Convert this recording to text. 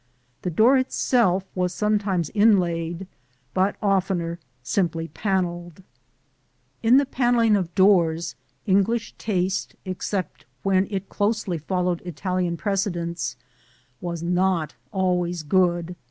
The door itself was sometimes inlaid, but oftener simply panelled (see Plate XI). In the panelling of doors, English taste, except when it closely followed Italian precedents, was not always good.